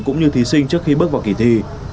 cũng như thí sinh trước khi bước vào kỳ thi